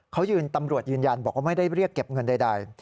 เขายืนตำรวจยืนยันบอกว่าไม่ได้เรียกเก็บเงินใด